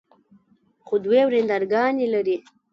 خو دوې ورندرګانې لري.